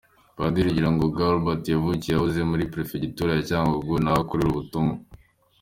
Padiri Rugirangoga Ubald yavukiye yahoze ari Perefegitura ya Cyangugu ari naho akorera ubutumwa.